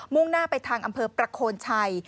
่งหน้าไปทางอำเภอประโคนชัย